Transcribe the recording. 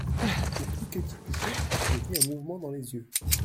Au cliquetis du chien, je vis un mouvement dans les yeux.